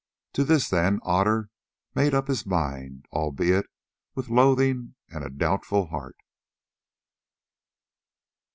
To this, then, Otter made up his mind, albeit with loathing and a doubtful heart.